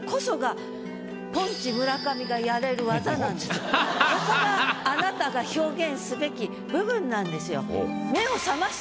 このここがあなたが表現すべき部分なんですよ。